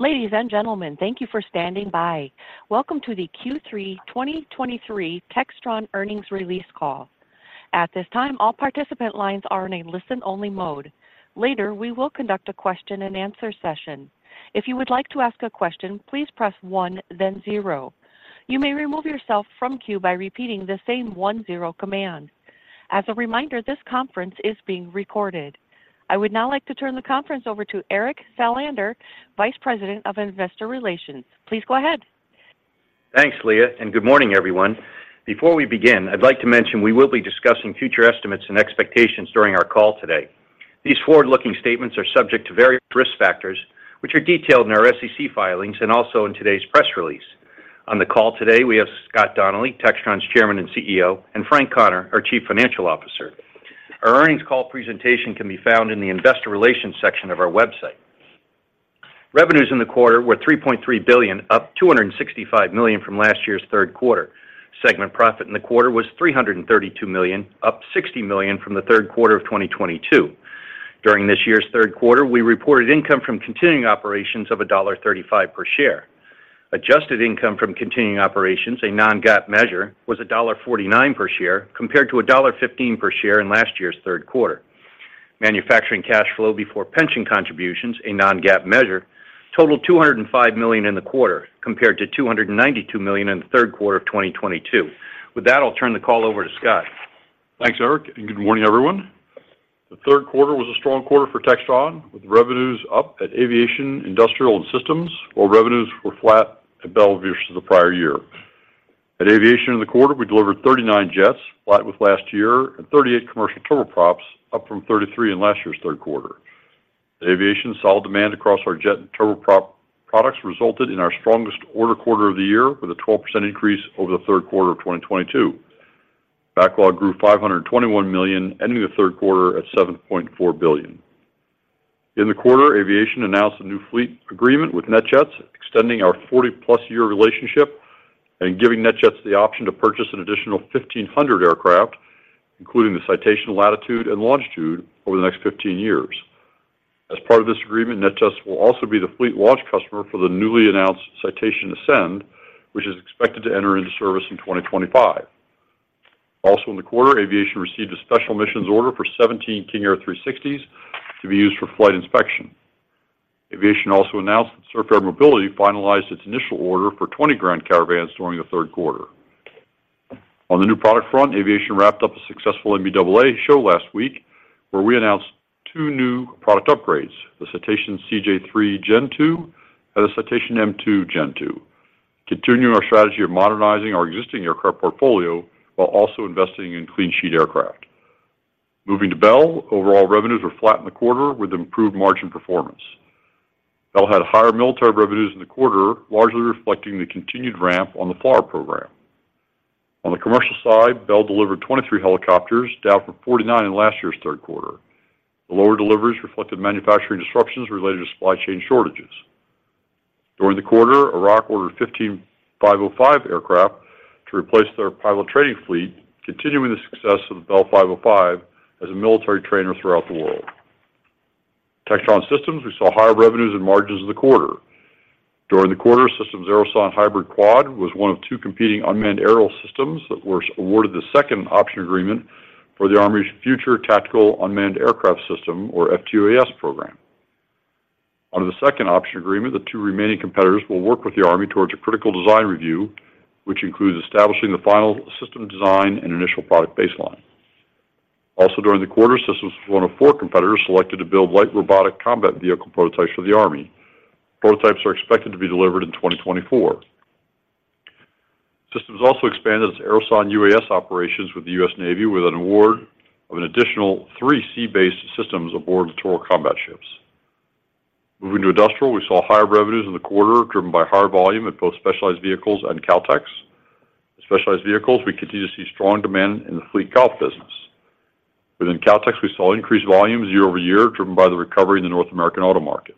Ladies and gentlemen, thank you for standing by. Welcome to the Q3 2023 Textron Earnings Release Call. At this time, all participant lines are in a listen-only mode. Later, we will conduct a question-and-answer session. If you would like to ask a question, please press one, then zero. You may remove yourself from queue by repeating the same one zero command. As a reminder, this conference is being recorded. I would now like to turn the conference over to Eric Salander, Vice President of Investor Relations. Please go ahead. Thanks, Leah, and good morning, everyone. Before we begin, I'd like to mention we will be discussing future estimates and expectations during our call today. These forward-looking statements are subject to various risk factors, which are detailed in our SEC filings and also in today's press release. On the call today, we have Scott Donnelly, Textron's Chairman and CEO, and Frank Connor, our Chief Financial Officer. Our earnings call presentation can be found in the Investor Relations section of our website. Revenues in the quarter were $3.3 billion, up $265 million from last year's third quarter. Segment profit in the quarter was $332 million, up $60 million from the third quarter of 2022. During this year's third quarter, we reported income from continuing operations of $1.35 per share. Adjusted income from continuing operations, a non-GAAP measure, was $1.49 per share, compared to $1.15 per share in last year's third quarter. Manufacturing cash flow before pension contributions, a non-GAAP measure, totaled $205 million in the quarter, compared to $292 million in the third quarter of 2022. With that, I'll turn the call over to Scott. Thanks, Eric, and good morning, everyone. The third quarter was a strong quarter for Textron, with revenues up at Aviation, Industrial, and Systems, while revenues were flat at Bell versus the prior year. At Aviation in the quarter, we delivered 39 jets, flat with last year, and 38 commercial turboprops, up from 33 in last year's third quarter. Aviation's solid demand across our jet and turboprop products resulted in our strongest order quarter of the year, with a 12% increase over the third quarter of 2022. Backlog grew $521 million, ending the third quarter at $7.4 billion. In the quarter, Aviation announced a new fleet agreement with NetJets, extending our 40+ year relationship and giving NetJets the option to purchase an additional 1,500 aircraft, including the Citation Latitude and Longitude, over the next 15 years. As part of this agreement, NetJets will also be the fleet launch customer for the newly announced Citation Ascend, which is expected to enter into service in 2025. Also in the quarter, Aviation received a special missions order for 17 King Air 360s to be used for flight inspection. Aviation also announced that Surf Air Mobility finalized its initial order for 20 Grand Caravans during the third quarter. On the new product front, Aviation wrapped up a successful NBAA show last week, where we announced two new product upgrades, the Citation CJ3 Gen 2 and the Citation M2 Gen 2, continuing our strategy of modernizing our existing aircraft portfolio while also investing in clean sheet aircraft. Moving to Bell, overall revenues were flat in the quarter with improved margin performance. Bell had higher military revenues in the quarter, largely reflecting the continued ramp on the FLRAA program. On the commercial side, Bell delivered 23 helicopters, down from 49 in last year's third quarter. The lower deliveries reflected manufacturing disruptions related to supply chain shortages. During the quarter, Iraq ordered 15 505 aircraft to replace their pilot training fleet, continuing the success of the Bell 505 as a military trainer throughout the world. Textron Systems, we saw higher revenues and margins in the quarter. During the quarter, Systems' Aerosonde Hybrid Quad was one of two competing unmanned aerial systems that were awarded the second option agreement for the Army's Future Tactical Unmanned Aircraft System, or FTUAS program. Under the second option agreement, the two remaining competitors will work with the Army towards a critical design review, which includes establishing the final system design and initial product baseline. Also, during the quarter, Systems was one of four competitors selected to build light robotic combat vehicle prototypes for the Army. Prototypes are expected to be delivered in 2024. Systems also expanded its Aerosonde UAS operations with the US Navy, with an award of an additional 3 sea-based systems aboard the littoral combat ships. Moving to Industrial, we saw higher revenues in the quarter, driven by higher volume at both specialized vehicles and Kautex. Specialized vehicles, we continue to see strong demand in the fleet and golf business. Within Kautex, we saw increased volumes year over year, driven by the recovery in the North American auto market.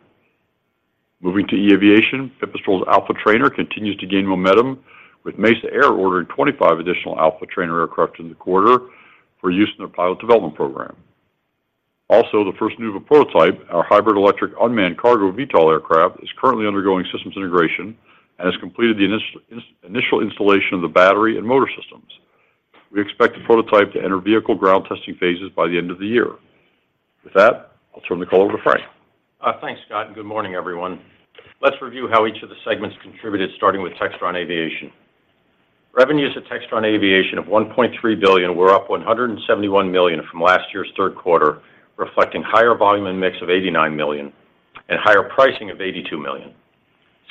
Moving to eAviation, Pipistrel's Alpha Trainer continues to gain momentum, with Mesa Air ordering 25 additional Alpha Trainer aircraft in the quarter for use in their pilot development program. Also, the first Nuuva prototype, our hybrid electric unmanned cargo VTOL aircraft, is currently undergoing systems integration and has completed the initial installation of the battery and motor systems. We expect the prototype to enter vehicle ground testing phases by the end of the year. With that, I'll turn the call over to Frank. Thanks, Scott, and good morning, everyone. Let's review how each of the segments contributed, starting with Textron Aviation. Revenues at Textron Aviation of $1.3 billion were up $171 million from last year's third quarter, reflecting higher volume and mix of $89 million and higher pricing of $82 million.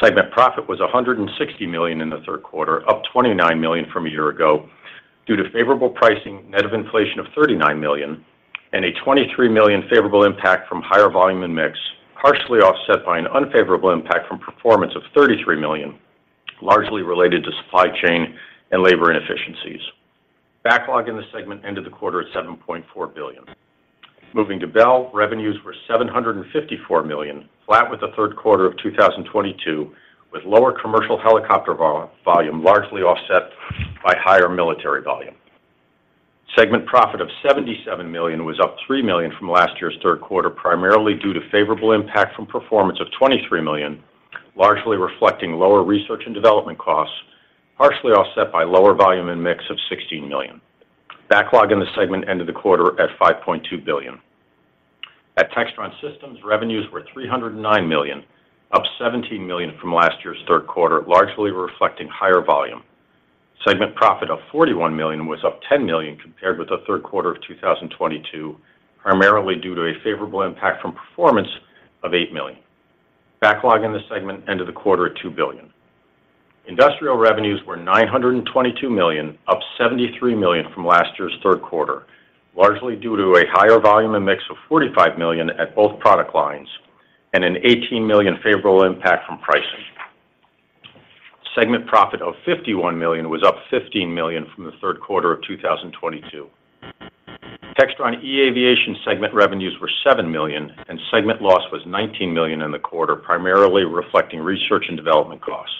Segment profit was $160 million in the third quarter, up $29 million from a year ago, due to favorable pricing, net of inflation of $39 million and a $23 million favorable impact from higher volume and mix, partially offset by an unfavorable impact from performance of $33 million, largely related to supply chain and labor inefficiencies. Backlog in the segment ended the quarter at $7.4 billion. Moving to Bell, revenues were $754 million, flat with the third quarter of 2022, with lower commercial helicopter volume, largely offset by higher military volume. Segment profit of $77 million was up $3 million from last year's third quarter, primarily due to favorable impact from performance of $23 million, largely reflecting lower research and development costs, partially offset by lower volume and mix of $16 million. Backlog in the segment ended the quarter at $5.2 billion. At Textron Systems, revenues were $309 million, up $17 million from last year's third quarter, largely reflecting higher volume. Segment profit of $41 million was up $10 million compared with the third quarter of 2022, primarily due to a favorable impact from performance of $8 million. Backlog in this segment ended the quarter at $2 billion. Industrial revenues were $922 million, up $73 million from last year's third quarter, largely due to a higher volume and mix of $45 million at both product lines and an $18 million favorable impact from pricing. Segment profit of $51 million was up $15 million from the third quarter of 2022. Textron eAviation segment revenues were $7 million, and segment loss was $19 million in the quarter, primarily reflecting research and development costs.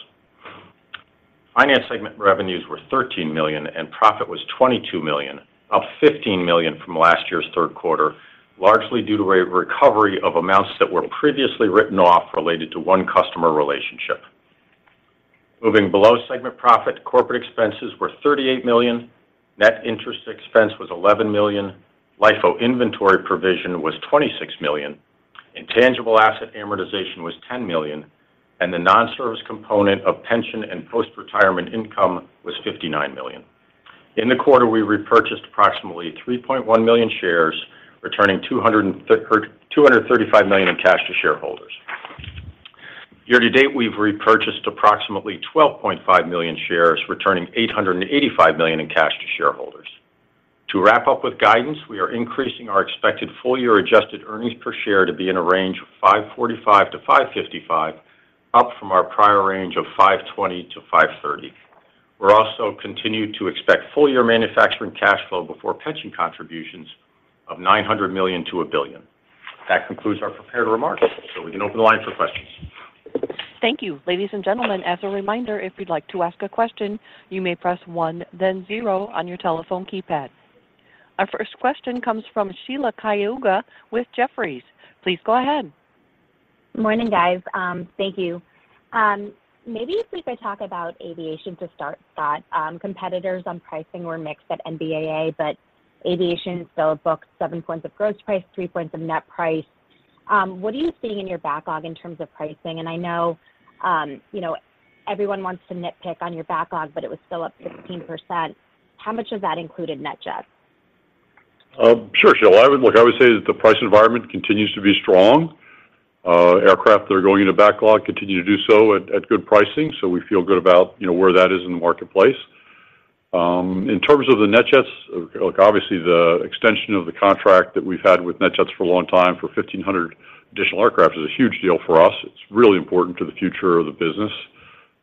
Finance segment revenues were $13 million, and profit was $22 million, up $15 million from last year's third quarter, largely due to a recovery of amounts that were previously written off related to one customer relationship. Moving below segment profit, corporate expenses were $38 million, net interest expense was $11 million, LIFO inventory provision was $26 million, intangible asset amortization was $10 million, and the non-service component of pension and post-retirement income was $59 million. In the quarter, we repurchased approximately 3.1 million shares, returning $235 million in cash to shareholders. Year to date, we've repurchased approximately 12.5 million shares, returning $885 million in cash to shareholders. To wrap up with guidance, we are increasing our expected full year adjusted earnings per share to be in a range of $5.45-$5.55, up from our prior range of $5.20-$5.30. We're also continued to expect full year manufacturing cash flow before pension contributions of $900 million to $1 billion. That concludes our prepared remarks, so we can open the line for questions. Thank you. Ladies and gentlemen, as a reminder, if you'd like to ask a question, you may press one, then zero on your telephone keypad. Our first question comes from Sheila Kahyaoglu with Jefferies. Please go ahead. Morning, guys. Thank you. Maybe if we could talk about aviation to start, Scott. Competitors on pricing were mixed at NBAA, but aviation still booked 7 points of gross price, 3 points of net price. What are you seeing in your backlog in terms of pricing? And I know, you know, everyone wants to nitpick on your backlog, but it was still up 15%. How much of that included NetJets? Sure, Sheila. Look, I would say that the price environment continues to be strong. Aircraft that are going into backlog continue to do so at good pricing, so we feel good about, you know, where that is in the marketplace. In terms of the NetJets, look, obviously, the extension of the contract that we've had with NetJets for a long time for 1,500 additional aircraft is a huge deal for us. It's really important to the future of the business.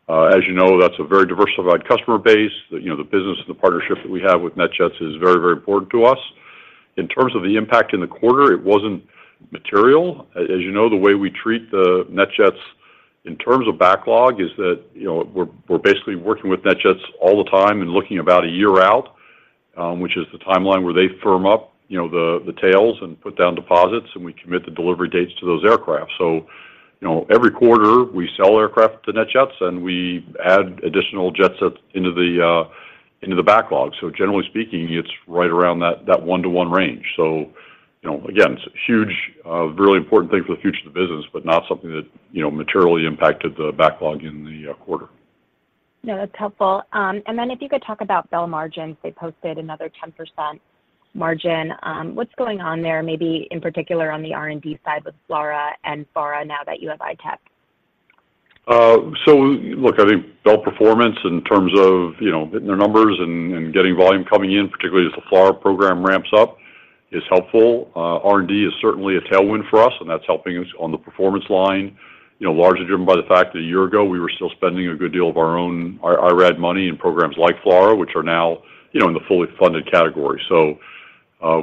As you know, that's a very diversified customer base. The, you know, the business and the partnership that we have with NetJets is very, very important to us. In terms of the impact in the quarter, it wasn't material. As you know, the way we treat the NetJets in terms of backlog is that, you know, we're basically working with NetJets all the time and looking about a year out, which is the timeline where they firm up, you know, the tails and put down deposits, and we commit the delivery dates to those aircraft. So, you know, every quarter, we sell aircraft to NetJets, and we add additional jet sets into the backlog. So generally speaking, it's right around that one-to-one range. So, you know, again, it's a huge really important thing for the future of the business, but not something that, you know, materially impacted the backlog in the quarter. No, that's helpful. And then if you could talk about Bell margins, they posted another 10% margin. What's going on there, maybe in particular on the R&D side with FLRAA and FARA, now that you have ITEP? So look, I think Bell performance in terms of, you know, hitting their numbers and, and getting volume coming in, particularly as the FLRAA program ramps up, is helpful. R&D is certainly a tailwind for us, and that's helping us on the performance line. You know, largely driven by the fact that a year ago, we were still spending a good deal of our own, our IRAD money in programs like FLRAA, which are now, you know, in the fully funded category. So,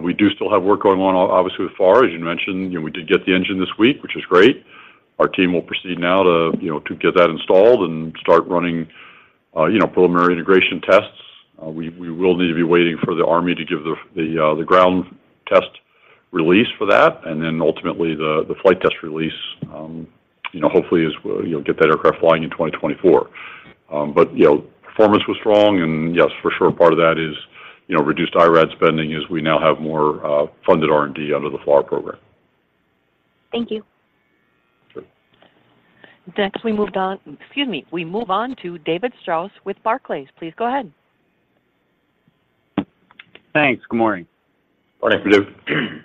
we do still have work going on, obviously, with FARA. As you mentioned, you know, we did get the engine this week, which is great. Our team will proceed now to, you know, to get that installed and start running, you know, preliminary integration tests. We will need to be waiting for the Army to give the ground test release for that, and then ultimately, the flight test release, you know, hopefully, is, you know, get that aircraft flying in 2024. But, you know, performance was strong, and yes, for sure, part of that is, you know, reduced IRAD spending as we now have more funded R&D under the FLRAA program. Thank you. Sure. Next, we move on... Excuse me. We move on to David Strauss with Barclays. Please go ahead. Thanks. Good morning. Morning, Dave.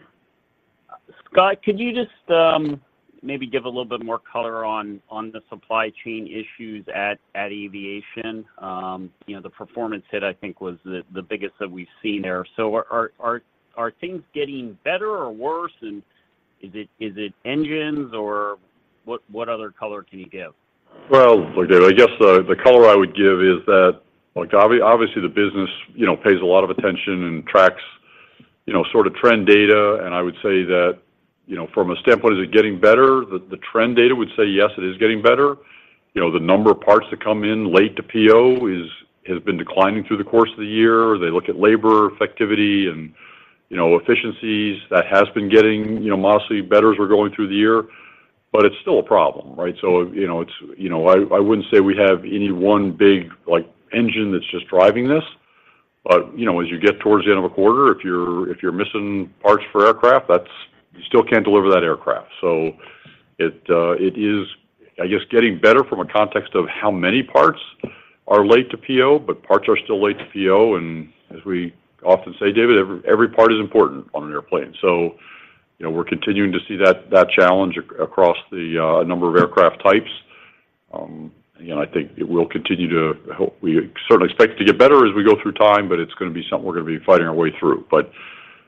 Scott, could you just maybe give a little bit more color on the supply chain issues at Aviation? You know, the performance hit, I think, was the biggest that we've seen there. So are things getting better or worse, and is it engines, or what other color can you give? Well, look, David, I guess the color I would give is that, like, obviously, the business, you know, pays a lot of attention and tracks. You know, sort of trend data, and I would say that, you know, from a standpoint, is it getting better? The trend data would say, yes, it is getting better. You know, the number of parts that come in late to PO has been declining through the course of the year. They look at labor effectivity and, you know, efficiencies, that has been getting, you know, mostly better as we're going through the year, but it's still a problem, right? So, you know, it's you know, I wouldn't say we have any one big, like, engine that's just driving this. But, you know, as you get towards the end of a quarter, if you're missing parts for aircraft, that's you still can't deliver that aircraft. So it is, I guess, getting better from a context of how many parts are late to PO, but parts are still late to PO, and as we often say, David, every part is important on an airplane. So, you know, we're continuing to see that challenge across the number of aircraft types. You know, I think it will continue to help. We certainly expect it to get better as we go through time, but it's gonna be something we're gonna be fighting our way through. But,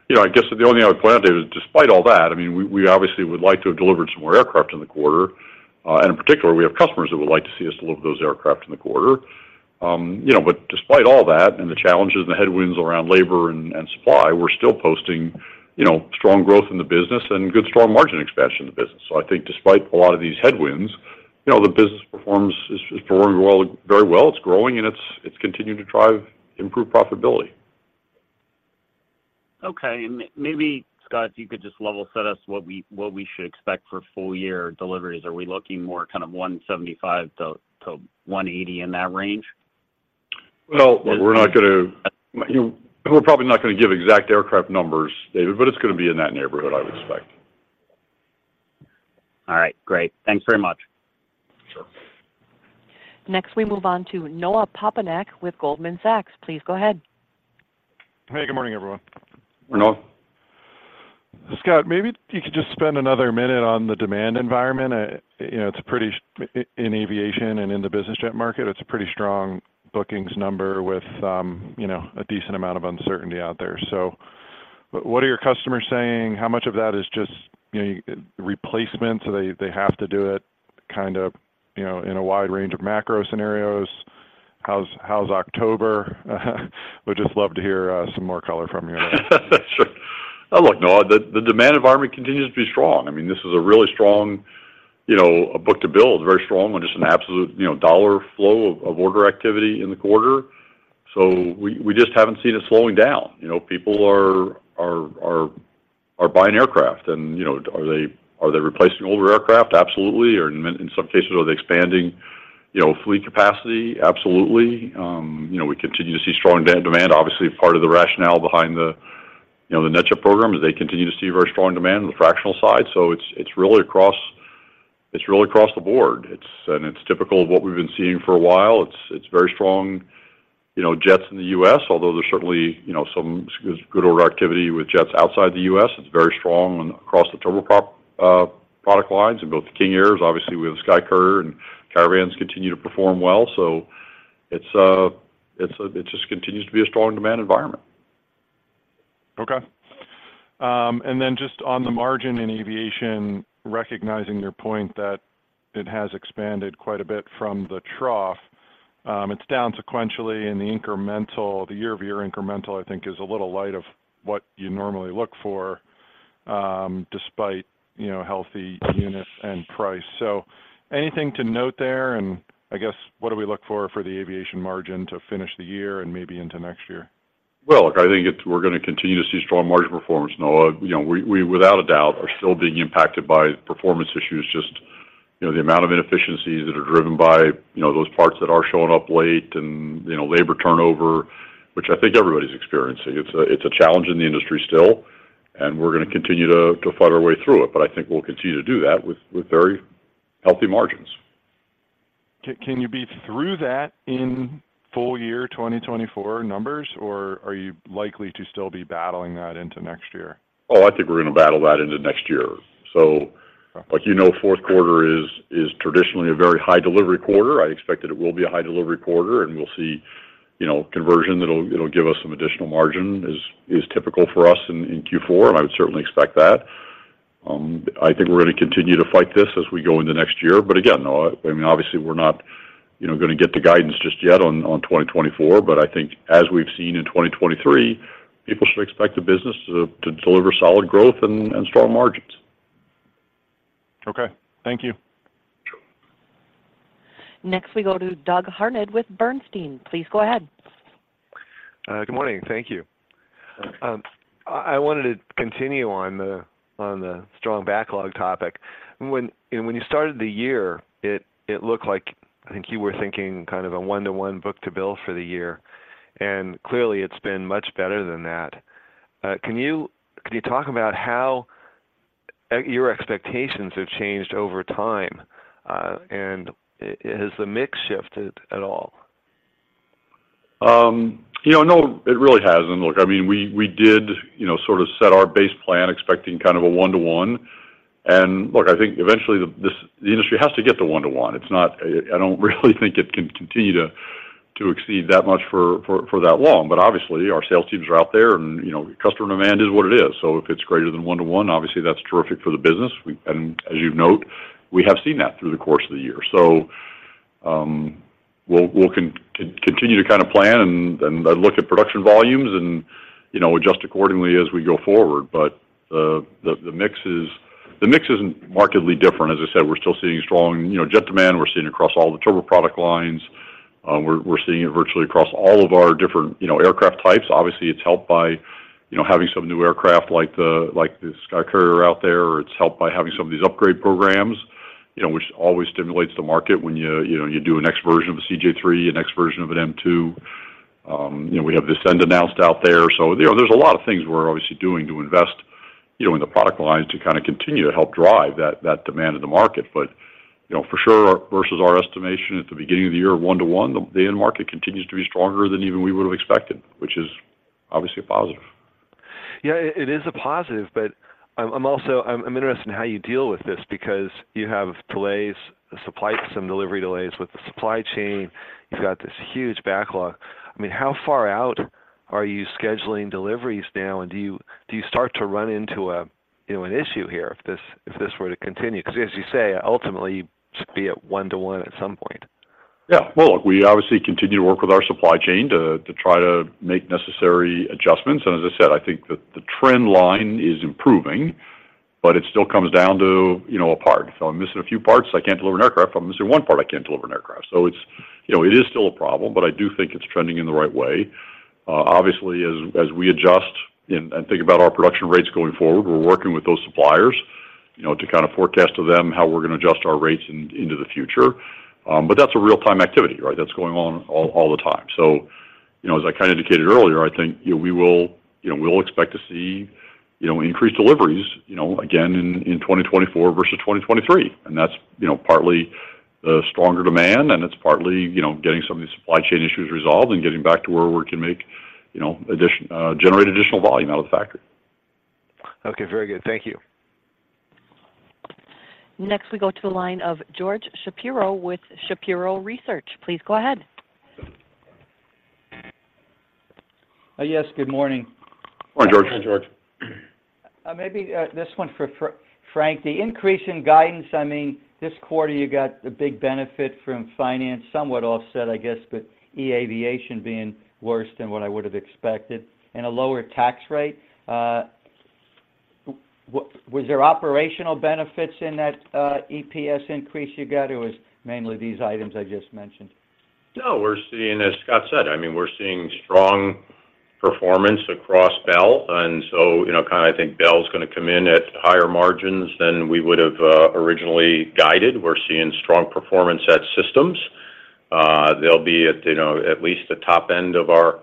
you know, I guess the only other point, David, is despite all that, I mean, we obviously would like to have delivered some more aircraft in the quarter, and in particular, we have customers that would like to see us deliver those aircraft in the quarter. You know, but despite all that, and the challenges and the headwinds around labor and supply, we're still posting, you know, strong growth in the business and good, strong margin expansion in the business. So I think despite a lot of these headwinds, you know, the business is performing well, very well. It's growing, and it's continuing to drive improved profitability. Okay, and maybe, Scott, you could just level set us what we should expect for full year deliveries. Are we looking more kind of 175 to 180 in that range? Well, we're not gonna, you know, we're probably not gonna give exact aircraft numbers, David, but it's gonna be in that neighborhood, I would expect. All right, great. Thanks very much. Sure. Next, we move on to Noah Poponak with Goldman Sachs. Please go ahead. Hey, good morning, everyone. Noah. Scott, maybe you could just spend another minute on the demand environment. You know, it's a pretty in aviation and in the business jet market, it's a pretty strong bookings number with, you know, a decent amount of uncertainty out there. So what are your customers saying? How much of that is just, you know, replacements, so they, they have to do it kind of, you know, in a wide range of macro scenarios? How's October? We'd just love to hear some more color from you. Sure. Look, Noah, the demand environment continues to be strong. I mean, this is a really strong, you know, a book-to-bill, very strong, and just an absolute, you know, dollar flow of order activity in the quarter. So we just haven't seen it slowing down. You know, people are buying aircraft, and, you know, are they replacing older aircraft? Absolutely. Or in some cases, are they expanding, you know, fleet capacity? Absolutely. You know, we continue to see strong demand. Obviously, part of the rationale behind the, you know, the NetJets program, is they continue to see very strong demand on the fractional side. So it's really across the board. It's and it's typical of what we've been seeing for a while. It's very strong, you know, jets in the US, although there's certainly, you know, some good order activity with jets outside the US. It's very strong across the turboprop product lines in both the King Airs. Obviously, we have the SkyCourier, and Caravans continue to perform well. So it just continues to be a strong demand environment. Okay. And then just on the margin in aviation, recognizing your point that it has expanded quite a bit from the trough, it's down sequentially, and the incremental, the year-over-year incremental, I think, is a little light of what you normally look for, despite, you know, healthy units and price. So anything to note there, and I guess, what do we look for for the aviation margin to finish the year and maybe into next year? Well, look, I think we're gonna continue to see strong margin performance, Noah. You know, we without a doubt are still being impacted by performance issues, just, you know, the amount of inefficiencies that are driven by, you know, those parts that are showing up late and, you know, labor turnover, which I think everybody's experiencing. It's a challenge in the industry still, and we're gonna continue to fight our way through it, but I think we'll continue to do that with very healthy margins. Can you be through that in full year 2024 numbers, or are you likely to still be battling that into next year? Oh, I think we're gonna battle that into next year. So, like, you know, fourth quarter is traditionally a very high delivery quarter. I expect that it will be a high delivery quarter, and we'll see, you know, conversion that'll—it'll give us some additional margin, is typical for us in Q4, and I would certainly expect that. I think we're gonna continue to fight this as we go into next year, but again, Noah, I mean, obviously, we're not, you know, gonna get the guidance just yet on 2024, but I think as we've seen in 2023, people should expect the business to deliver solid growth and strong margins. Okay. Thank you. Sure. Next, we go to Doug Harned with Bernstein. Please go ahead. Good morning. Thank you. Hi. I wanted to continue on the strong backlog topic. When you started the year, it looked like, I think you were thinking kind of a one-to-one book-to-bill for the year, and clearly, it's been much better than that. Can you talk about how your expectations have changed over time, and has the mix shifted at all? You know, no, it really hasn't. Look, I mean, we did, you know, sort of set our base plan expecting kind of a 1:1. Look, I think eventually, the industry has to get to 1:1. It's not. I don't really think it can continue to exceed that much for that long. But obviously, our sales teams are out there, and, you know, customer demand is what it is. So if it's greater than 1:1, obviously, that's terrific for the business. We and as you note, we have seen that through the course of the year. So, we'll continue to kind of plan and look at production volumes and, you know, adjust accordingly as we go forward. But the mix isn't markedly different. As I said, we're still seeing strong, you know, jet demand, we're seeing across all the turbo product lines. We're seeing it virtually across all of our different, you know, aircraft types. Obviously, it's helped by, you know, having some new aircraft like the, like the SkyCourier out there, or it's helped by having some of these upgrade programs, you know, which always stimulates the market when you know, you do a next version of a CJ3, a next version of an M2. You know, we have this Denali announced out there. So, you know, there's a lot of things we're obviously doing to invest, you know, in the product lines to kind of continue to help drive that demand in the market. You know, for sure, versus our estimation at the beginning of the year, 1:1, the end market continues to be stronger than even we would've expected, which is obviously a positive. Yeah, it is a positive, but I'm also interested in how you deal with this because you have delays, supply chain some delivery delays with the supply chain. You've got this huge backlog. I mean, how far out are you scheduling deliveries now? And do you start to run into a, you know, an issue here if this were to continue? Because as you say, ultimately, you should be at one to one at some point. Yeah. Well, look, we obviously continue to work with our supply chain to try to make necessary adjustments. And as I said, I think that the trend line is improving, but it still comes down to, you know, a part. If I'm missing a few parts, I can't deliver an aircraft. If I'm missing one part, I can't deliver an aircraft. So it's, you know, it is still a problem, but I do think it's trending in the right way. Obviously, as we adjust and think about our production rates going forward, we're working with those suppliers, you know, to kind of forecast to them how we're gonna adjust our rates into the future. But that's a real-time activity, right? That's going on all the time. So, you know, as I kinda indicated earlier, I think, you know, we will... You know, we'll expect to see, you know, increased deliveries, you know, again in 2024 versus 2023. And that's, you know, partly the stronger demand, and it's partly, you know, getting some of these supply chain issues resolved and getting back to where we can make, you know, generate additional volume out of the factory. Okay, very good. Thank you. Next, we go to the line of George Shapiro with Shapiro Research. Please go ahead. Yes, good morning. Morning, George. Hi, George. Maybe this one for Frank. The increase in guidance, I mean, this quarter, you got a big benefit from finance, somewhat offset, I guess, but e-aviation being worse than what I would have expected and a lower tax rate. Was there operational benefits in that EPS increase you got, or it was mainly these items I just mentioned? No, we're seeing, as Scott said, I mean, we're seeing strong performance across Bell. And so, you know, kinda I think Bell's gonna come in at higher margins than we would've originally guided. We're seeing strong performance at Systems. They'll be at, you know, at least the top end of our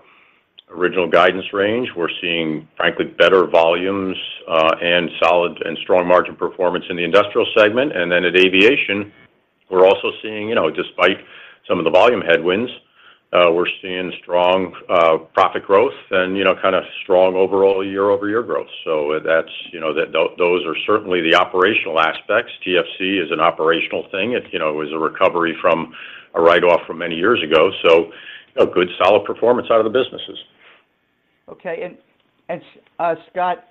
original guidance range. We're seeing, frankly, better volumes and solid and strong margin performance in the industrial segment. And then at Aviation, we're also seeing, you know, despite some of the volume headwinds, we're seeing strong profit growth and, you know, kinda strong overall year-over-year growth. So that's, you know, that. Those are certainly the operational aspects. TFC is an operational thing. It, you know, it was a recovery from a write-off from many years ago, so a good, solid performance out of the businesses. Okay. Scott,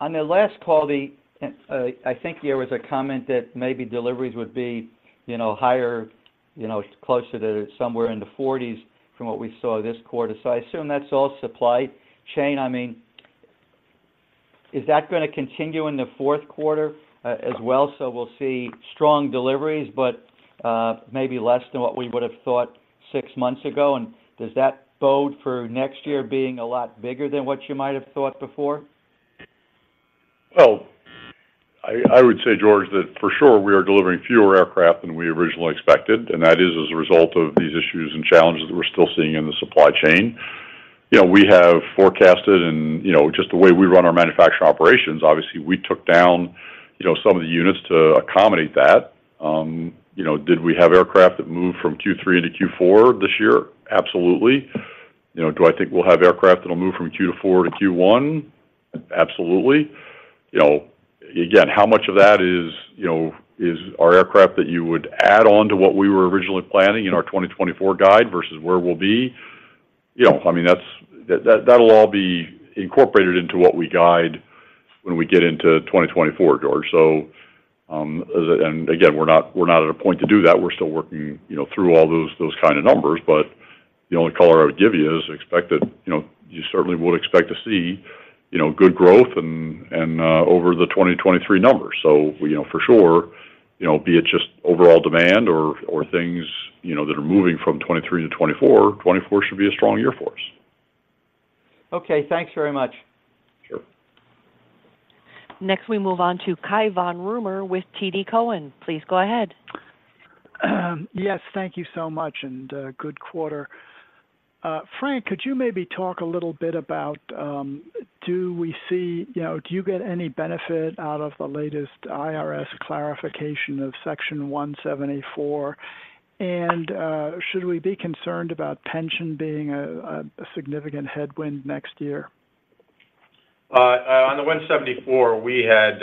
on the last call, I think there was a comment that maybe deliveries would be, you know, higher, you know, closer to somewhere in the forties from what we saw this quarter. So I assume that's all supply chain. I mean, is that gonna continue in the fourth quarter, as well? So we'll see strong deliveries, but, maybe less than what we would have thought six months ago. And does that bode for next year being a lot bigger than what you might have thought before? Well, I would say, George, that for sure, we are delivering fewer aircraft than we originally expected, and that is as a result of these issues and challenges that we're still seeing in the supply chain. You know, we have forecasted and, you know, just the way we run our manufacturing operations, obviously, we took down, you know, some of the units to accommodate that. You know, did we have aircraft that moved from Q3 to Q4 this year? Absolutely. You know, do I think we'll have aircraft that'll move from Q4 to Q1? Absolutely. You know, again, how much of that is, you know, is our aircraft that you would add on to what we were originally planning in our 2024 guide versus where we'll be? You know, I mean, that'll all be incorporated into what we guide when we get into 2024, George. So, and again, we're not at a point to do that. We're still working, you know, through all those kind of numbers. But the only color I would give you is expect that, you know, you certainly would expect to see, you know, good growth and over the 2023 numbers. So, you know, for sure, you know, be it just overall demand or things, you know, that are moving from 2023 to 2024, 2024 should be a strong year for us. Okay, thanks very much. Sure. Next, we move on to Cai von Rumohr with TD Cowen. Please go ahead. Yes, thank you so much, and good quarter. Frank, could you maybe talk a little bit about, do we see... You know, do you get any benefit out of the latest IRS clarification of Section 174? And, should we be concerned about pension being a significant headwind next year? On the Section 174, we had,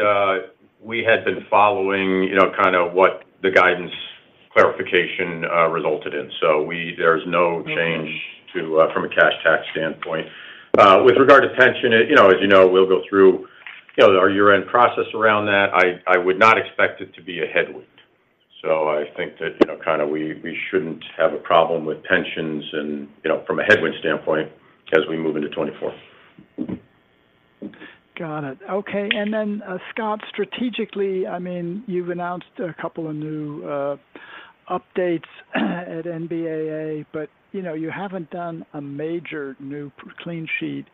we had been following, you know, kinda what the guidance clarification resulted So there's no change to, from a cash tax standpoint. With regard to pension, you know, as you know, we'll go through, you know, our year-end process around that. I would not expect it to be a headwind. So I think that, you know, kind of, we shouldn't have a problem with pensions and, you know, from a headwind standpoint as we move into 2024. Got it. Okay, and then, Scott, strategically, I mean, you've announced a couple of new updates at NBAA, but, you know, you haven't done a major new clean sheet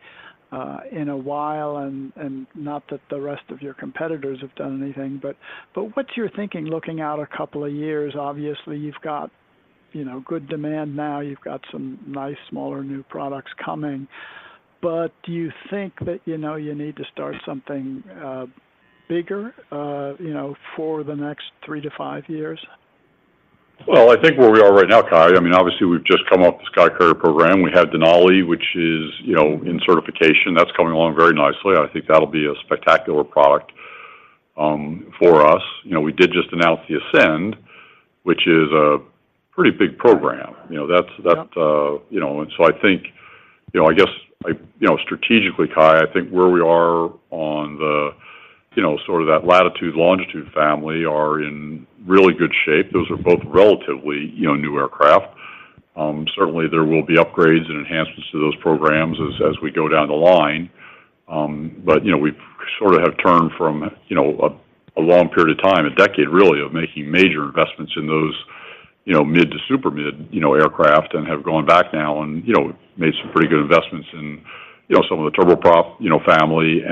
in a while, and not that the rest of your competitors have done anything, but what's your thinking looking out a couple of years? Obviously, you've got, you know, good demand now. You've got some nice, smaller, new products coming. But do you think that, you know, you need to start something bigger for the next 3-5 years? Well, I think where we are right now, Cai. I mean, obviously, we've just come off the SkyCourier program. We have Denali, which is, you know, in certification, that's coming along very nicely. I think that'll be a spectacular product for us. You know, we did just announce the Ascend, which is a pretty big program. You know, that's... Yep. You know, and so I think, you know, strategically, Cai, I think where we are on the, you know, sort of that Latitude, Longitude family are in really good shape. Those are both relatively, you know, new aircraft. Certainly there will be upgrades and enhancements to those programs as we go down the line. But, you know, we've sort of have turned from, you know, a long period of time, a decade, really, of making major investments in those, you know, mid to super mid, you know, aircraft, and have gone back now and, you know, made some pretty good investments in, you know, some of the turboprop, you know, family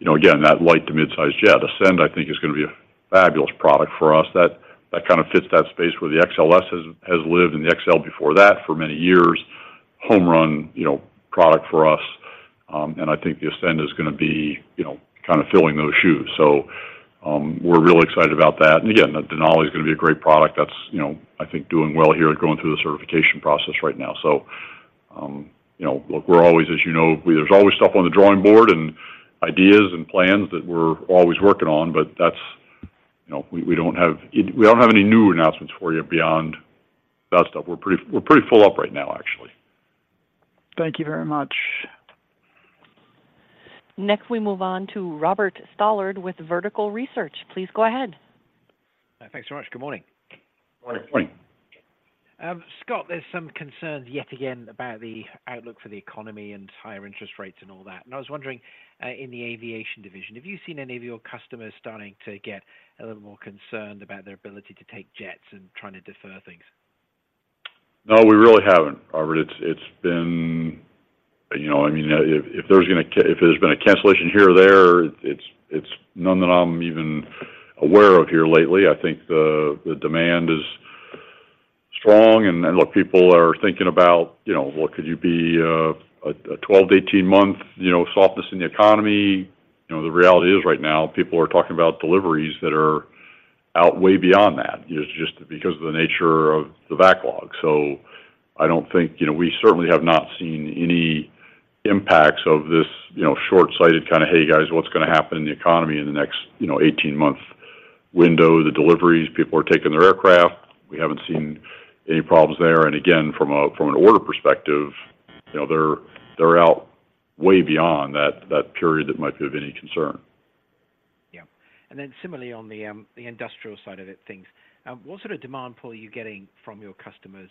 and, you know, again, that light to mid-size jet. Ascend, I think, is going to be a fabulous product for us. That kind of fits that space where the XLS has lived and the XL before that for many years. Home run, you know, product for us, and I think the Ascend is going to be, you know, kind of filling those shoes. So, we're really excited about that. And again, the Denali is going to be a great product that's, you know, I think doing well here and going through the certification process right now. So, you know, look, we're always, as you know, there's always stuff on the drawing board and ideas and plans that we're always working on, but that's, you know, we don't have any new announcements for you beyond that stuff. We're pretty full up right now, actually. Thank you very much. Next, we move on to Robert Stallard with Vertical Research. Please go ahead. Thanks so much. Good morning. Good morning. Morning. Scott, there's some concern yet again about the outlook for the economy and higher interest rates and all that. I was wondering, in the aviation division, have you seen any of your customers starting to get a little more concerned about their ability to take jets and trying to defer things? No, we really haven't, Robert. It's been... You know, I mean, if there's been a cancellation here or there, it's none that I'm even aware of here lately. I think the demand is strong, and look, people are thinking about, you know, well, could you be a 12-18-month, you know, softness in the economy? You know, the reality is right now, people are talking about deliveries that are out way beyond that, just because of the nature of the backlog. So I don't think, you know, we certainly have not seen any impacts of this, you know, short-sighted kind of, "Hey, guys, what's going to happen in the economy in the next, you know, 18-month window?" The deliveries, people are taking their aircraft. We haven't seen any problems there. And again, from an order perspective, you know, they're out way beyond that period that might be of any concern. Yeah. And then similarly, on the industrial side of things, what sort of demand pull are you getting from your customers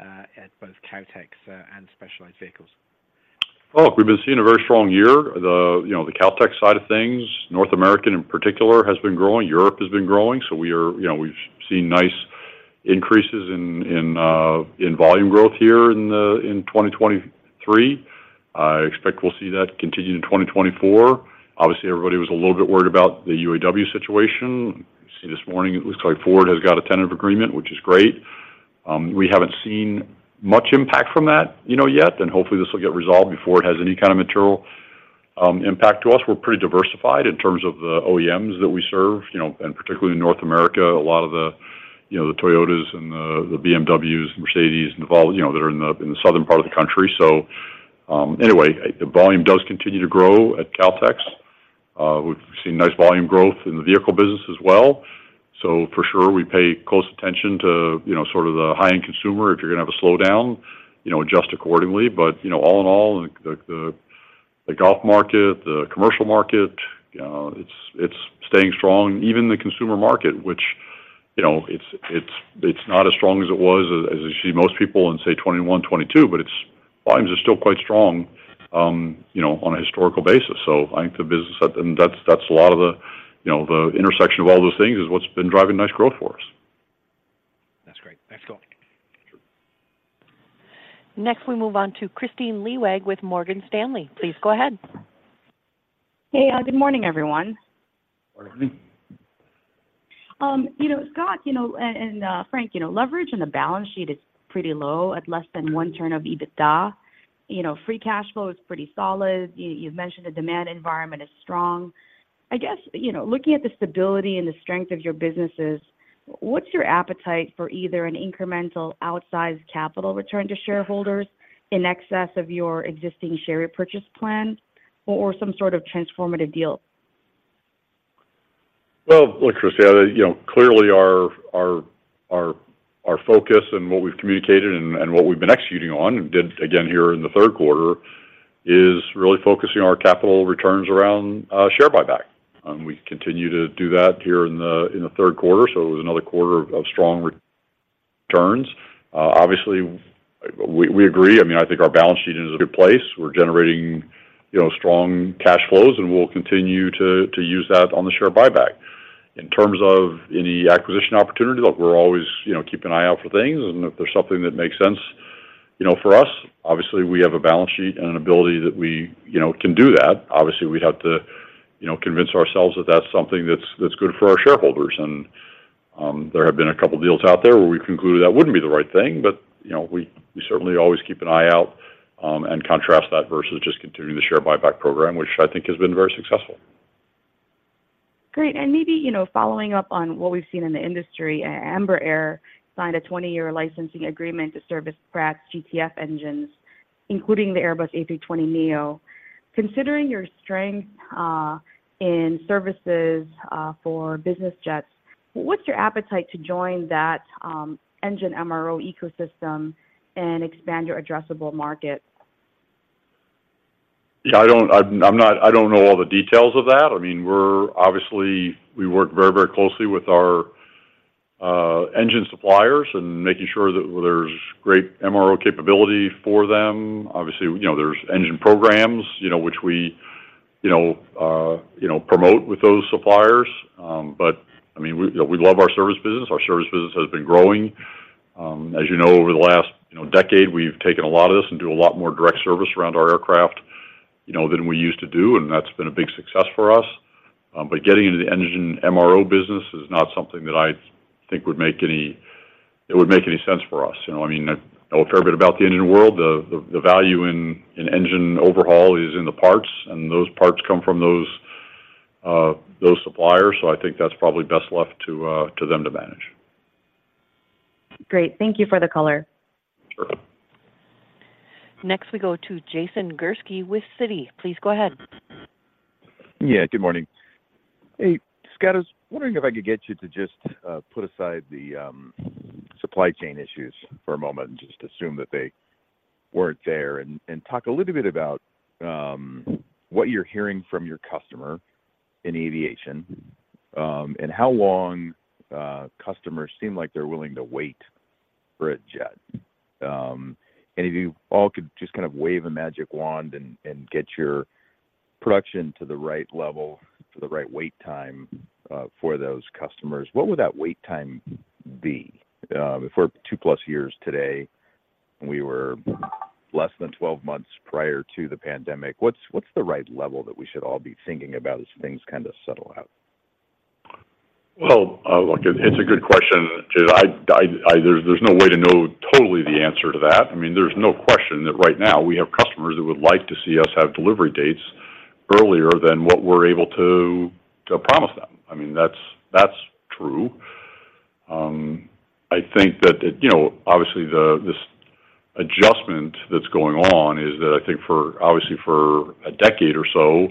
at both Kautex and specialized vehicles? Oh, we've been seeing a very strong year. The, you know, the Kautex side of things, North America, in particular, has been growing. Europe has been growing, so we are, you know, we've seen nice increases in volume growth here in 2023. I expect we'll see that continue in 2024. Obviously, everybody was a little bit worried about the UAW situation. See, this morning, it looks like Ford has got a tentative agreement, which is great. We haven't seen much impact from that, you know, yet, and hopefully, this will get resolved before it has any kind of material impact to us. We're pretty diversified in terms of the OEMs that we serve, you know, and particularly in North America, a lot of the, you know, the Toyotas and the, the BMWs, Mercedes, and involved, you know, they're in the, in the southern part of the country. So, anyway, volume does continue to grow at Kautex. We've seen nice volume growth in the vehicle business as well. So for sure, we pay close attention to, you know, sort of the high-end consumer. If you're going to have a slowdown, you know, adjust accordingly. But, you know, all in all, the, the, the golf market, the commercial market, it's, it's staying strong. Even the consumer market, which, you know, it's not as strong as it was, as you see most people in, say, 2021, 2022, but it's volumes are still quite strong, you know, on a historical basis. So I think the business and that's a lot of the, you know, the intersection of all those things is what's been driving nice growth for us. That's great. Thanks, Scott. Sure. Next, we move on to Kristine Liwag with Morgan Stanley. Please go ahead. Hey, good morning, everyone. Good morning. You know, Scott, you know, and, Frank, you know, leverage in the balance sheet is pretty low at less than one turn of EBITDA. You know, free cash flow is pretty solid. You, you've mentioned the demand environment is strong. I guess, you know, looking at the stability and the strength of your businesses, what's your appetite for either an incremental outsized capital return to shareholders in excess of your existing share repurchase plan or some sort of transformative deal? Well, look, Christine, you know, clearly our focus and what we've communicated and what we've been executing on, and did again here in the third quarter, is really focusing our capital returns around share buyback. And we continue to do that here in the third quarter, so it was another quarter of strong returns. Obviously, we agree. I mean, I think our balance sheet is in a good place. We're generating, you know, strong cash flows, and we'll continue to use that on the share buyback. In terms of any acquisition opportunity, look, we're always, you know, keeping an eye out for things, and if there's something that makes sense, you know, for us, obviously, we have a balance sheet and an ability that we, you know, can do that. Obviously, we'd have to, you know, convince ourselves that that's something that's good for our shareholders. There have been a couple deals out there where we've concluded that wouldn't be the right thing, but, you know, we certainly always keep an eye out, and contrast that versus just continuing the share buyback program, which I think has been very successful. Great. And maybe, you know, following up on what we've seen in the industry, Amber Air signed a 20-year licensing agreement to service Pratt's GTF engines, including the Airbus A320neo. Considering your strength in services for business jets, what's your appetite to join that engine MRO ecosystem and expand your addressable market? Yeah, I don't know all the details of that. I mean, we're obviously working very, very closely with our engine suppliers and making sure that there's great MRO capability for them. Obviously, you know, there's engine programs, you know, which we, you know, promote with those suppliers. But, I mean, we, you know, we love our service business. Our service business has been growing. As you know, over the last, you know, decade, we've taken a lot of this and do a lot more direct service around our aircraft, you know, than we used to do, and that's been a big success for us. But getting into the engine MRO business is not something that I think would make any sense for us. You know, I mean, I know a fair bit about the engine world. The value in engine overhaul is in the parts, and those parts come from those suppliers. So I think that's probably best left to them to manage. Great. Thank you for the color. Sure. Next, we go to Jason Gursky with Citi. Please go ahead. Yeah, good morning. Hey, Scott, I was wondering if I could get you to just put aside the supply chain issues for a moment and just assume that they weren't there, and talk a little bit about what you're hearing from your customer in aviation, and how long customers seem like they're willing to wait for a jet. And if you all could just kind of wave a magic wand and get your production to the right level, to the right wait time, for those customers, what would that wait time be? If we're 2-plus years today, and we were less than 12 months prior to the pandemic, what's the right level that we should all be thinking about as things kind of settle out? Well, look, it's a good question, Jason. There's no way to know totally the answer to that. I mean, there's no question that right now we have customers that would like to see us have delivery dates earlier than what we're able to promise them. I mean, that's true. I think that, you know, obviously, this adjustment that's going on is that I think, obviously, for a decade or so,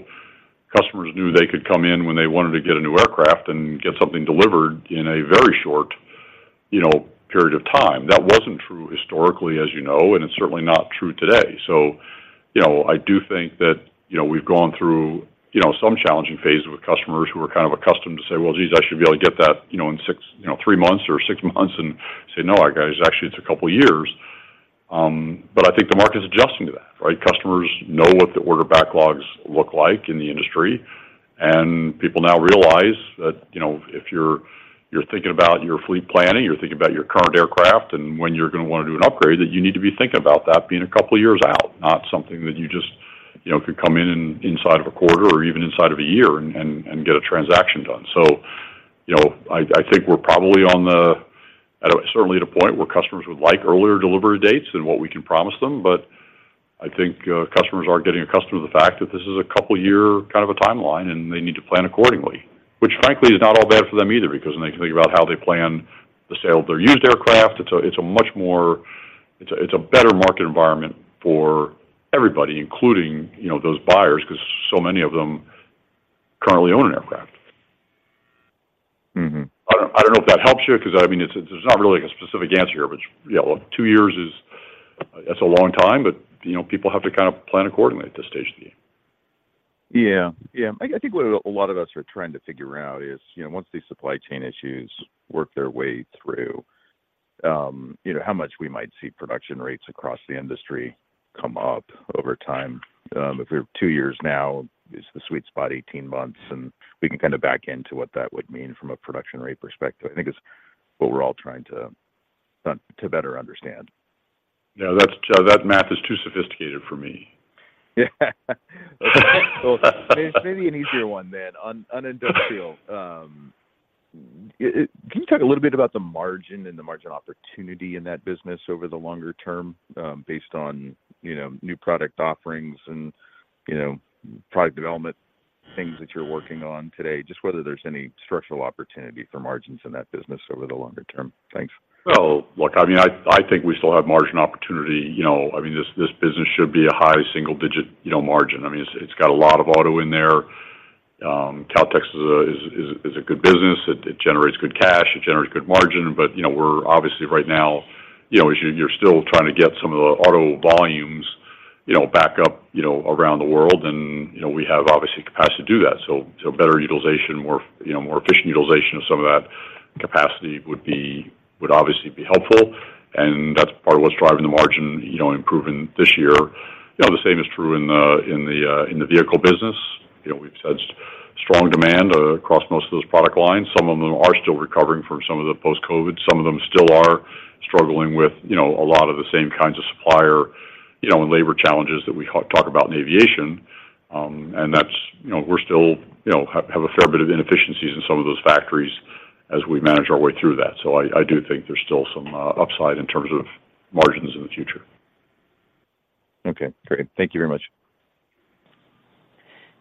customers knew they could come in when they wanted to get a new aircraft and get something delivered in a very short, you know, period of time. That wasn't true historically, as you know, and it's certainly not true today. So, you know, I do think that, you know, we've gone through, you know, some challenging phases with customers who are kind of accustomed to say, "Well, geez, I should be able to get that, you know, in 3 months or 6 months," and say, "No, guys, actually, it's a couple of years." But I think the market is adjusting to that, right? Customers know what the order backlogs look like in the industry, and people now realize that, you know, if you're, you're thinking about your fleet planning, you're thinking about your current aircraft, and when you're gonna want to do an upgrade, that you need to be thinking about that being a couple of years out, not something that you just, you know, could come in and inside of a quarter or even inside of a year and get a transaction done. So, you know, I think we're probably at a point where customers would like earlier delivery dates than what we can promise them, but I think customers are getting accustomed to the fact that this is a couple year kind of a timeline, and they need to plan accordingly, which frankly is not all bad for them either, because then they can think about how they plan the sale of their used aircraft. It's a much more. It's a better market environment for everybody, including, you know, those buyers, because so many of them currently own an aircraft. Mm-hmm. I don't know if that helps you because, I mean, it's. There's not really a specific answer here, but, you know, two years is... That's a long time, but, you know, people have to kind of plan accordingly at this stage of the game. Yeah. Yeah. I think what a lot of us are trying to figure out is, you know, once these supply chain issues work their way through, you know, how much we might see production rates across the industry come up over time. If we're 2 years now, is the sweet spot 18 months, and we can kind of back into what that would mean from a production rate perspective. I think it's what we're all trying to better understand. Yeah, that math is too sophisticated for me. Yeah. Well, there's maybe an easier one then. On industrial, can you talk a little bit about the margin and the margin opportunity in that business over the longer term, based on, you know, new product offerings and, you know, product development things that you're working on today? Just whether there's any structural opportunity for margins in that business over the longer term. Thanks. Oh, look, I mean, I, I think we still have margin opportunity. You know, I mean, this, this business should be a high single digit, you know, margin. I mean, it's, it's got a lot of auto in there. Kautex is a, is, is, is a good business. It, it generates good cash, it generates good margin, but, you know, we're obviously right now, you know, as you're still trying to get some of the auto volumes, you know, back up, you know, around the world, and, you know, we have obviously capacity to do that. So, so better utilization, more, you know, more efficient utilization of some of that capacity would be-- would obviously be helpful, and that's part of what's driving the margin, you know, improving this year. You know, the same is true in the, in the, in the vehicle business. You know, we've had strong demand across most of those product lines. Some of them are still recovering from some of the post-COVID. Some of them still are struggling with, you know, a lot of the same kinds of supplier, you know, and labor challenges that we talk about in aviation. And that's. You know, we're still, you know, have a fair bit of inefficiencies in some of those factories as we manage our way through that. So I do think there's still some upside in terms of margins in the future. Okay, great. Thank you very much.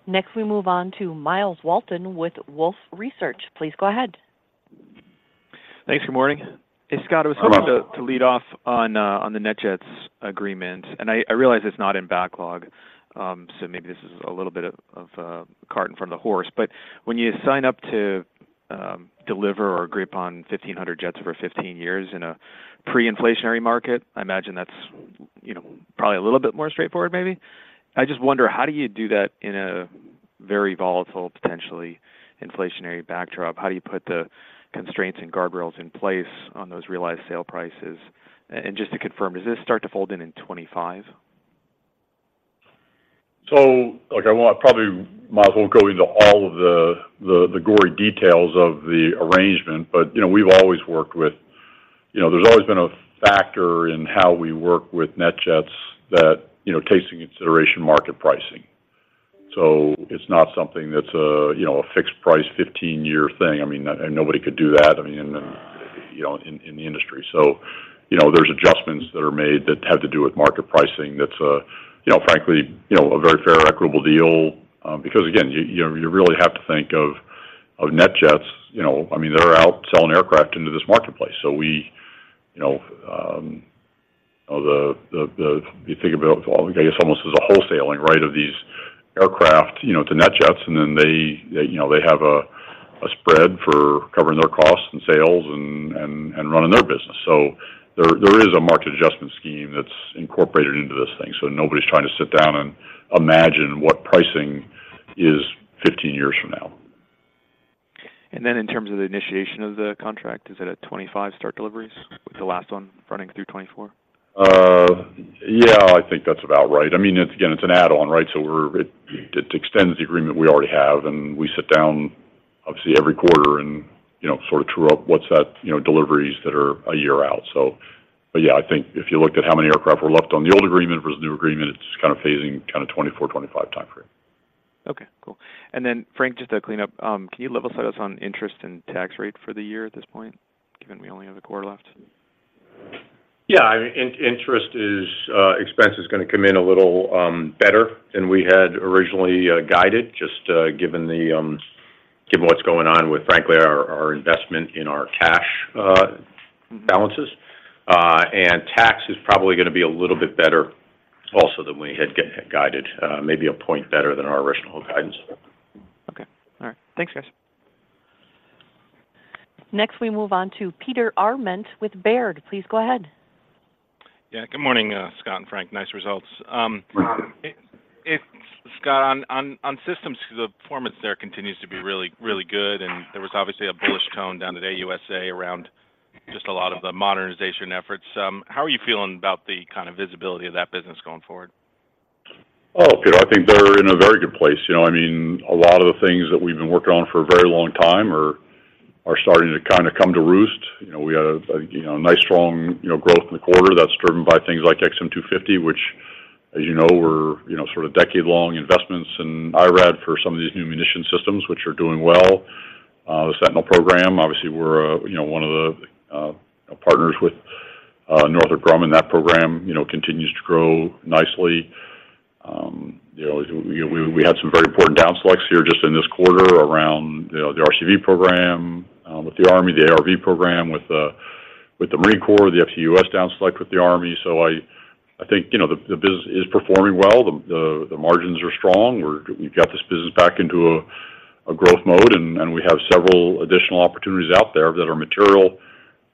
Next, we move on to Miles Walton with Wolfe Research. Please go ahead. Thanks. Good morning. Hi, Miles. Hey, Scott, I was going to lead off on the NetJets agreement, and I realize it's not in backlog, so maybe this is a little bit of cart in front of the horse. But when you sign up to deliver or agree upon 1,500 jets over 15 years in a pre-inflationary market, I imagine that's, you know, probably a little bit more straightforward, maybe. I just wonder, how do you do that in a very volatile, potentially inflationary backdrop? How do you put the constraints and guardrails in place on those realized sale prices? And just to confirm, does this start to fold in in 2025? So, look, I want—probably might as well go into all of the gory details of the arrangement, but, you know, we've always worked with... You know, there's always been a factor in how we work with NetJets that, you know, takes into consideration market pricing. So it's not something that's a, you know, a fixed-price 15-year thing. I mean, nobody could do that, I mean, in, you know, in the industry. So, you know, there's adjustments that are made that have to do with market pricing. That's a, you know, frankly, you know, a very fair, equitable deal, because again, you really have to think of NetJets, you know... I mean, they're out selling aircraft into this marketplace. So we, you know, you know, you think about, I guess, almost as a wholesaling, right, of these aircraft, you know, to NetJets, and then they, you know, they have a spread for covering their costs and sales and running their business. So there is a market adjustment scheme that's incorporated into this thing, so nobody's trying to sit down and imagine what pricing is 15 years from now. Then in terms of the initiation of the contract, is it at 25 start deliveries, with the last one running through 2024? Yeah, I think that's about right. I mean, it's again, it's an add-on, right? So we're, it, it extends the agreement we already have, and we sit down, obviously, every quarter and, you know, sort of true up what's that, you know, deliveries that are a year out, so. But yeah, I think if you looked at how many aircraft were left on the old agreement versus the new agreement, it's kind of phasing kind of 2024-2025 time frame. Okay, cool. And then, Frank, just to clean up, can you level set us on interest and tax rate for the year at this point, given we only have a quarter left? Yeah, I mean, interest expense is going to come in a little better than we had originally guided, just given the given what's going on with, frankly, our our investment in our cash balances. And tax is probably going to be a little bit better also than we had guided, maybe a point better than our original guidance. Okay. All right. Thanks, guys. Next, we move on to Peter Arment with Baird. Please go ahead. Yeah. Good morning, Scott and Frank. Nice results. Good morning. Scott, on systems, the performance there continues to be really, really good, and there was obviously a bullish tone down at AUSA around just a lot of the modernization efforts. How are you feeling about the kind of visibility of that business going forward? Oh, Peter, I think they're in a very good place. You know, I mean, a lot of the things that we've been working on for a very long time are starting to kind of come to roost. You know, we had a nice, strong, you know, growth in the quarter that's driven by things like XM250, which, as you know, were, you know, sort of decade-long investments in IRAD for some of these new munition systems, which are doing well. The Sentinel program, obviously, we're one of the partners with Northrop Grumman. That program, you know, continues to grow nicely. You know, we had some very important down selects here just in this quarter around, you know, the RCV program with the Army, the ARV program with the Marine Corps, the FTUAS down select with the Army. So I think, you know, the business is performing well. The margins are strong. We've got this business back into a growth mode, and we have several additional opportunities out there that are material.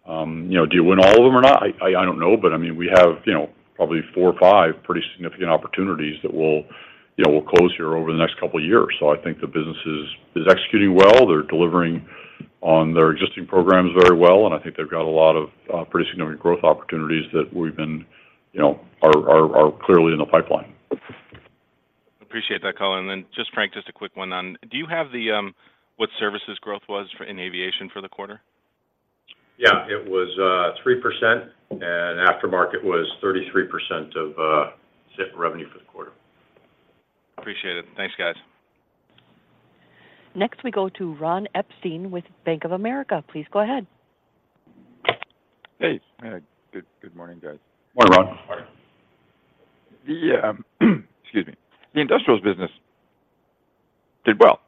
You know, do you win all of them or not? I don't know, but I mean, we have, you know, probably four or five pretty significant opportunities that will, you know, close here over the next couple of years. So I think the business is executing well. They're delivering on their existing programs very well, and I think they've got a lot of pretty significant growth opportunities that we've been, you know, clearly in the pipeline. Appreciate that call. And then just, Frank, just a quick one on... Do you have the, what services growth was for in aviation for the quarter? Yeah, it was 3%, and aftermarket was 33% of segment revenue for the quarter. Appreciate it. Thanks, guys. Next, we go to Ron Epstein with Bank of America. Please go ahead. Hey, good morning, guys. Morning, Ron. Morning. Excuse me. The industrials business did well.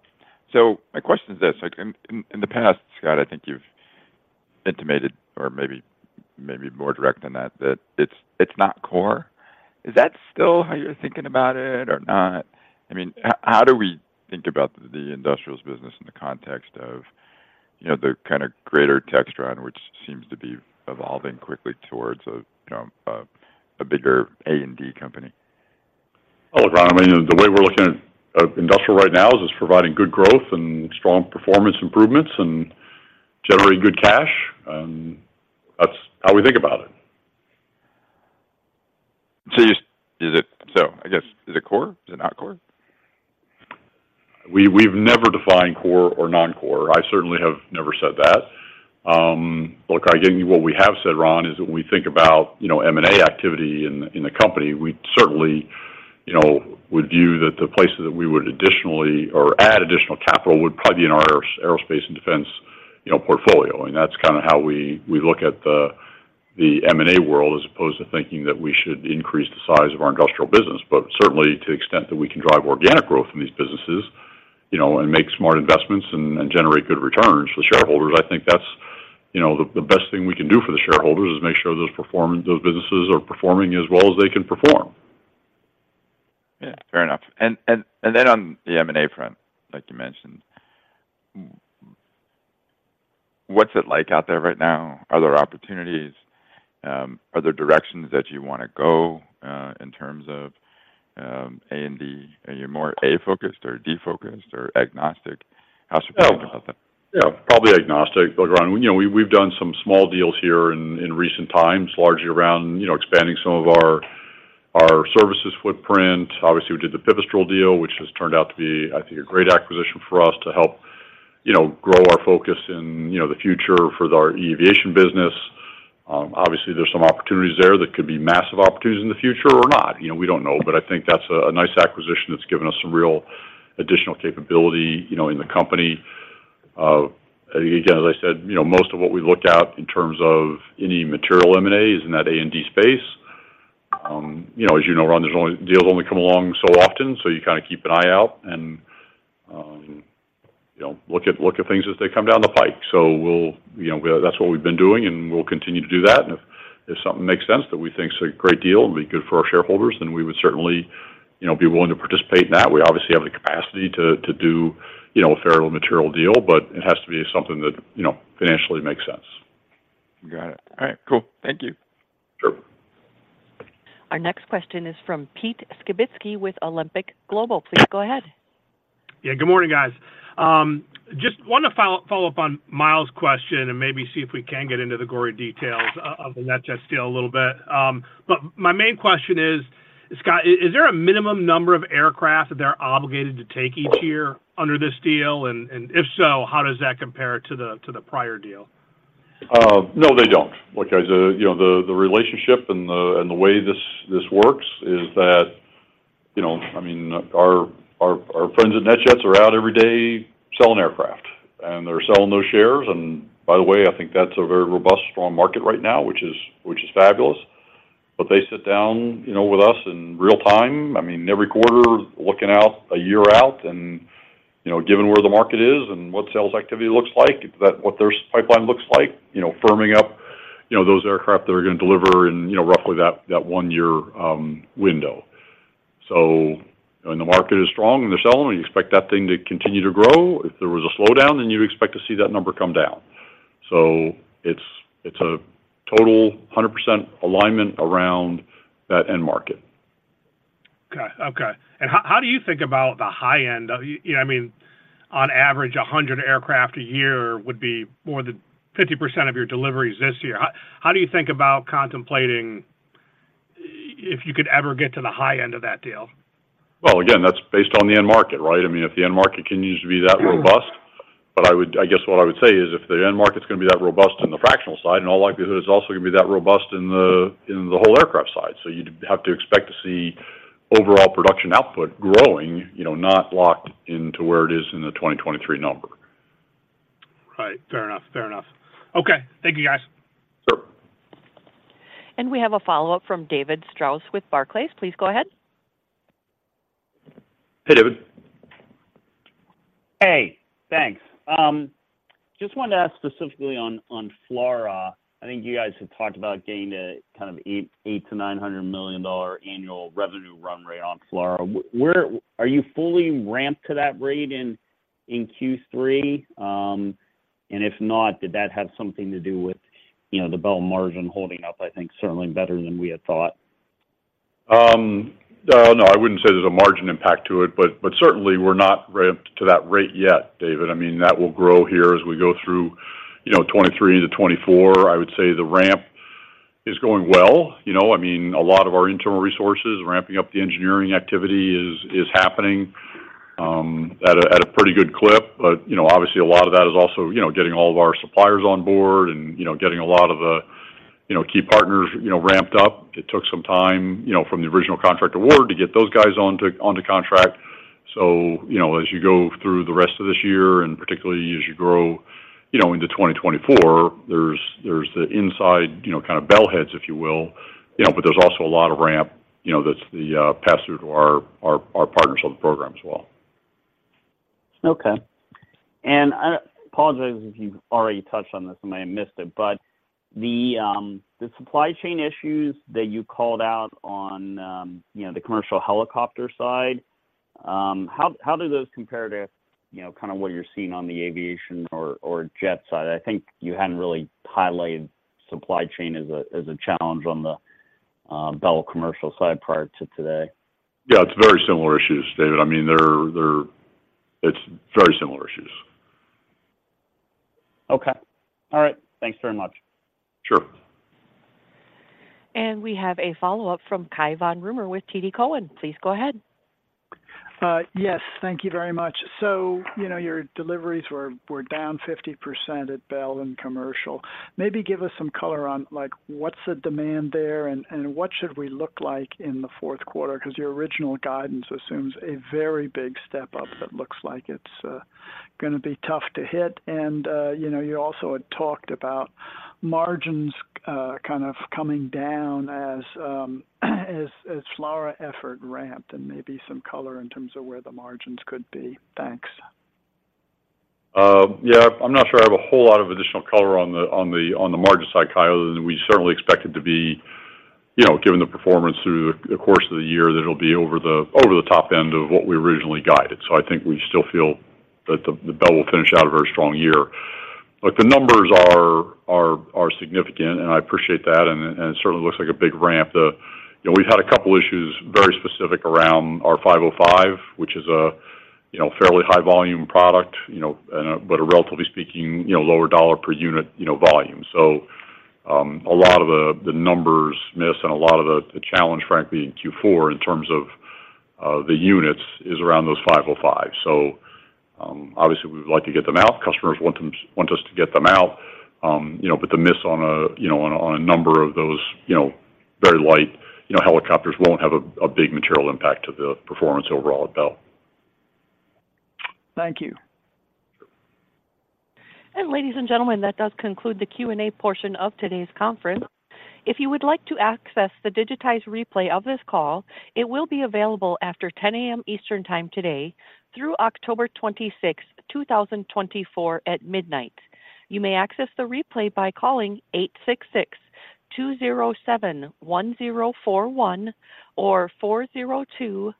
So my question is this: like, in the past, Scott,I think you've intimated, or maybe, maybe more direct than that, that it's, it's not core. Is that still how you're thinking about it or not? I mean, how do we think about the industrials business in the context of, you know, the kind of greater Textron, which seems to be evolving quickly towards a, you know, a bigger A&D company? Well, Ron, I mean, the way we're looking at industrial right now is it's providing good growth and strong performance improvements, and generating good cash, and that's how we think about it. So, I guess, is it core? Is it not core? We've never defined core or non-core. I certainly have never said that. Look, I think what we have said, Ron, is when we think about, you know, M&A activity in, in the company, we certainly, you know, would view that the places that we would additionally or add additional capital would probably be in our aerospace and defense, you know, portfolio. And that's kind of how we, we look at the, the M&A world, as opposed to thinking that we should increase the size of our industrial business. But certainly, to the extent that we can drive organic growth in these businesses, you know, and make smart investments and, and generate good returns for shareholders, I think that's, you know, the, the best thing we can do for the shareholders, is make sure those perform—those businesses are performing as well as they can perform. Yeah, fair enough. And then on the M&A front, like you mentioned, what's it like out there right now? Are there opportunities? Are there directions that you wanna go in terms of A&D? Are you more A focused, or D focused, or agnostic? How should we think about that? Yeah, probably agnostic. Look, Ron, you know, we've done some small deals here in recent times, largely around, you know, expanding some of our services footprint. Obviously, we did the Pipistrel deal, which has turned out to be, I think, a great acquisition for us to help, you know, grow our focus in, you know, the future for our eAviation business. Obviously, there's some opportunities there that could be massive opportunities in the future or not. You know, we don't know, but I think that's a nice acquisition that's given us some real additional capability, you know, in the company. Again, as I said, you know, most of what we look at in terms of any material M&A is in that A&D space. You know, as you know, Ron, deals only come along so often, so you kind of keep an eye out, and you know, look at things as they come down the pike. So we'll, you know, That's what we've been doing, and we'll continue to do that. And if something makes sense that we think is a great deal, and be good for our shareholders, then we would certainly, you know, be willing to participate in that. We obviously have the capacity to do, you know, a fair little material deal, but it has to be something that, you know, financially makes sense. Got it. All right, cool. Thank you. Sure. Our next question is from Pete Skibitski with Alembic Global. Please go ahead. Yeah, good morning, guys. Just wanted to follow up on Miles' question, and maybe see if we can get into the gory details of the NetJets deal a little bit. But my main question is, Scott, is there a minimum number of aircraft that they're obligated to take each year under this deal? And if so, how does that compare to the prior deal? No, they don't. Look, guys, you know, the relationship and the way this works is that, you know, I mean, our friends at NetJets are out every day selling aircraft, and they're selling those shares. And by the way, I think that's a very robust, strong market right now, which is fabulous. But they sit down, you know, with us in real time, I mean, every quarter, looking out a year out, and, you know, given where the market is and what sales activity looks like, that what their pipeline looks like, you know, firming up, you know, those aircraft they're gonna deliver in, you know, roughly that one-year window. So, when the market is strong and they're selling, we expect that thing to continue to grow. If there was a slowdown, then you expect to see that number come down. So it's, it's a total 100% alignment around that end market. Okay, okay. And how, how do you think about the high end? You, you know, I mean, on average, 100 aircraft a year would be more than 50% of your deliveries this year. How, how do you think about contemplating if you could ever get to the high end of that deal? Well, again, that's based on the end market, right? I mean, if the end market continues to be that robust. But I would, I guess what I would say is if the end market's gonna be that robust in the fractional side, in all likelihood, it's also gonna be that robust in the, in the whole aircraft side. So you'd have to expect to see overall production output growing, you know, not locked into where it is in the 2023 number. Right. Fair enough, fair enough. Okay. Thank you, guys. Sure. We have a follow-up from David Strauss with Barclays. Please go ahead. Hey, David. Hey, thanks. Just wanted to ask specifically on FLRAA. I think you guys have talked about getting to kind of $800 million-$900 million annual revenue run rate on FLRAA. Where are you fully ramped to that rate in Q3? And if not, did that have something to do with, you know, the Bell margin holding up, I think, certainly better than we had thought? No, I wouldn't say there's a margin impact to it, but certainly we're not ramped to that rate yet, David. I mean, that will grow here as we go through, you know, 2023 to 2024. I would say the ramp is going well. You know, I mean, a lot of our internal resources, ramping up the engineering activity is happening at a pretty good clip. But, you know, obviously, a lot of that is also, you know, getting all of our suppliers on board and, you know, getting a lot of the key partners, you know, ramped up. It took some time, you know, from the original contract award to get those guys onto contract. So, you know, as you go through the rest of this year, and particularly as you grow, you know, into 2024, there's the inside, you know, kind of Bell heads, if you will, you know, but there's also a lot of ramp, you know, that's the pass-through to our partners on the program as well. Okay. And I apologize if you've already touched on this, and I missed it, but the supply chain issues that you called out on, you know, the commercial helicopter side, how do those compare to, you know, kind of what you're seeing on the aviation or jet side? I think you hadn't really highlighted supply chain as a challenge on the Bell commercial side prior to today. Yeah, it's very similar issues, David. I mean, they're, it's very similar issues. Okay. All right. Thanks very much. Sure. We have a follow-up from Cai von Rumohr with TD Cowen. Please go ahead. Yes, thank you very much. So, you know, your deliveries were down 50% at Bell and commercial. Maybe give us some color on, like, what's the demand there and what should we look like in the fourth quarter? Because your original guidance assumes a very big step up that looks like it's gonna be tough to hit. And, you know, you also had talked about margins kind of coming down as lower effort ramped, and maybe some color in terms of where the margins could be. Thanks. Yeah. I'm not sure I have a whole lot of additional color on the margin side, Cai, other than we certainly expect it to be... You know, given the performance through the course of the year, that it'll be over the top end of what we originally guided. So I think we still feel that the Bell will finish out a very strong year. Look, the numbers are significant, and I appreciate that, and it certainly looks like a big ramp. You know, we've had a couple issues very specific around our 505, which is a fairly high volume product, you know, and but a relatively speaking, you know, lower dollar per unit, you know, volume. A lot of the numbers miss, and a lot of the challenge, frankly, in Q4, in terms of the units, is around those 505s. Obviously, we would like to get them out. Customers want them, want us to get them out. You know, but the miss on a number of those very light helicopters won't have a big material impact to the performance overall at Bell. Thank you. Ladies and gentlemen, that does conclude the Q&A portion of today's conference. If you would like to access the digitized replay of this call, it will be available after 10 A.M. Eastern Time today through October 26, 2024, at midnight. You may access the replay by calling 866-207-1041 or 402-970-0847,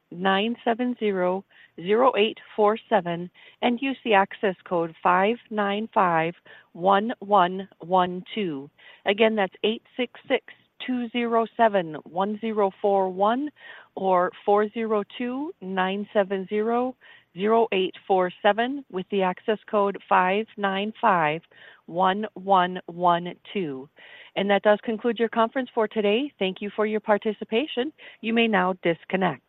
and use the access code 595112. Again, that's 866-207-1041 or 402-970-0847, with the access code 595112. That does conclude your conference for today. Thank you for your participation. You may now disconnect.